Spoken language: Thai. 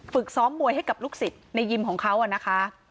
ฝึกซ้อมมวยให้กับลูกศิษย์ในยิมของเขานะคะ